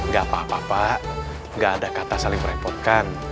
gak apa apa pak gak ada kata saling merepotkan